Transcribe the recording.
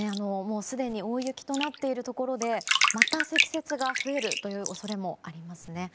すでに大雪となっているところでまた積雪が増えるという恐れもありますね。